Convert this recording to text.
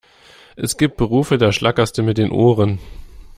Es gibt Berufe, da schlackerste mit den Ohren!